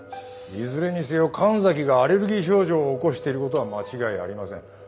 いずれにせよ神崎がアレルギー症状を起こしていることは間違いありません。